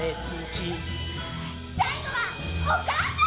最後はお母さん！